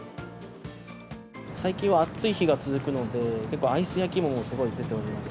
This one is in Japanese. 最近は暑い日が続くので、結構、アイス焼き芋もすごい出ております。